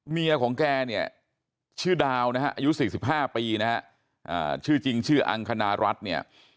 เมียของแกเนี่ยชื่อดาวนะฮะอายุ๔๕ปีนะฮะชื่อจริงชื่ออังคณรัฐเนี่ย